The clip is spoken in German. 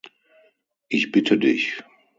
Ich bitte dich.